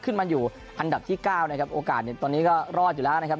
ขึ้นมาอยู่อันดับที่เก้านะครับโอกาสเนี่ยตอนนี้ก็รอดอยู่แล้วนะครับ